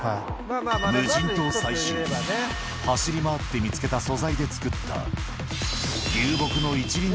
無人島最終日、走り回って見つけた素材で作った流木の一輪